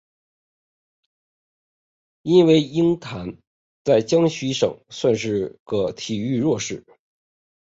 因为鹰潭在江西省算是个体育弱市。